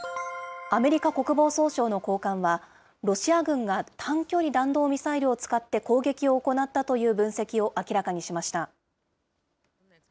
アメリカ国防総省の高官は、ロシア軍が短距離弾道ミサイルを使って攻撃を行ったという分析を明らかにしました。